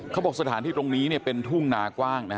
เขาบอกสถานที่ตรงนี้เป็นทุ่งนางว่าง